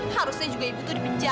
harusnya juga ibu itu di penjara